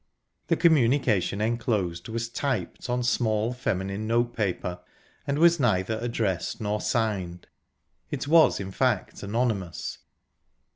The communication enclosed was typed on small, feminine notepaper, and was neither addressed nor signed. It was, in fact, anonymous.